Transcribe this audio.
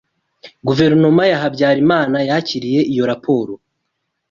Guverinoma ya Habyarimana yakiriye iyo raporo